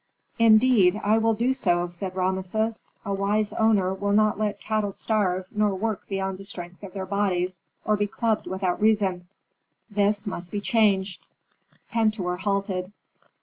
"Indeed, I will do so!" said Rameses. "A wise owner will not let cattle starve nor work beyond the strength of their bodies, or be clubbed without reason. This must be changed." Pentuer halted.